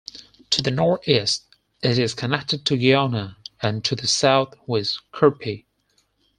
To the Northeast it is connected to Giona and to the south with Kirphe.